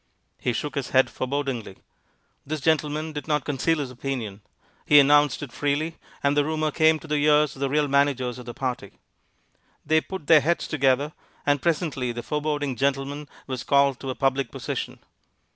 He shook his head forebodingly. This gentleman did not conceal his opinion. He announced it freely, and the rumor came to the ears of the real managers of the party. They put their heads together, and presently the foreboding gentleman was called to a public position.